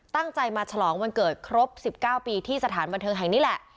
ตั้งใจมาฉลองวันเกิดครบ๑๙ปีที่สถานบันเทิงแห่งนี้แหละ